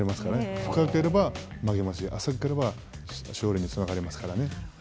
深ければ、負けますし、浅ければ勝利につながりますからね。